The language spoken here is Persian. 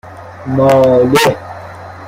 ماله